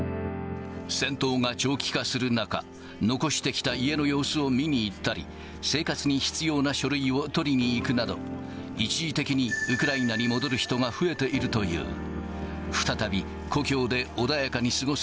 戦闘が長期化する中、残してきた家の様子を見に行ったり、生活に必要な書類を取りに行くなど、一時的にウクライナに戻る人が増えているという。